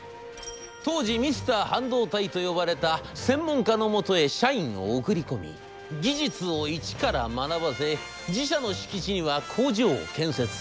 当時『ミスター半導体』と呼ばれた専門家のもとへ社員を送り込み技術を一から学ばせ自社の敷地には工場を建設。